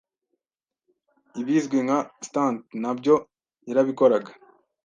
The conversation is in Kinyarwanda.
ibizwi nka stunt nabyo yarabikoraga